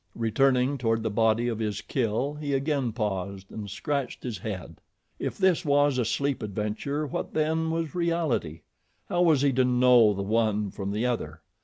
Returning toward the body of his kill he again paused and scratched his head. If this was a sleep adventure, what then was reality? How was he to know the one from the other?